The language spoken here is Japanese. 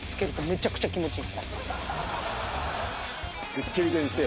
ぐっちゃぐちゃにして。